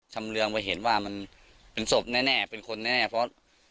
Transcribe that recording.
เรืองไปเห็นว่ามันเป็นศพแน่เป็นคนแน่เพราะ